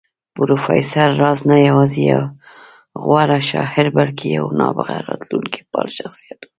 پروفېسر راز نه يوازې يو غوره شاعر بلکې يو نابغه راتلونکی پال شخصيت و